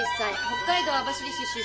北海道網走市出身。